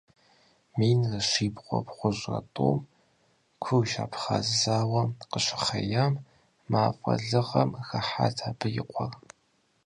Минрэ щибгъурэ бгъущӀрэ тӀум, куржы-абхъаз зауэр къыщыхъеям, мафӀэ лыгъэм хыхьат абы и къуэр.